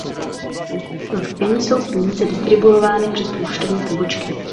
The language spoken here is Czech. V Keni jsou peníze distribuovány přes poštovní pobočky.